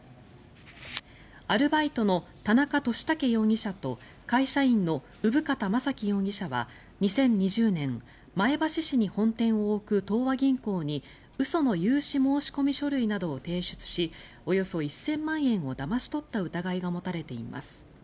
アルバイトの田中利武容疑者と会社員の生方幹樹容疑者は２０２０年前橋市に本店を置く東和銀行に嘘の融資申込書類などを提出しおよそ１０００万円をだまし取った疑いが持たれています。